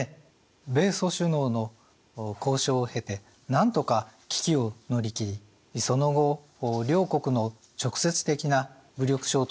米ソ首脳の交渉を経てなんとか危機を乗り切りその後両国の直接的な武力衝突は回避されました。